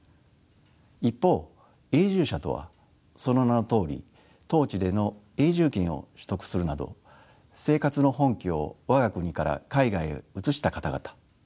一方永住者とはその名のとおり当地での永住権を取得するなど生活の本拠を我が国から海外へ移した方々とされています。